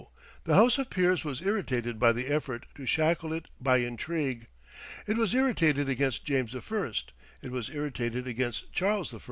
The House of Peers was irritated by the effort to shackle it by intrigue. It was irritated against James I., it was irritated against Charles I.